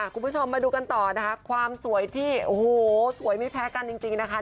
คุณผู้ชมมาดูกันต่อนะคะความสวยที่โอ้โหสวยไม่แพ้กันจริงนะคะ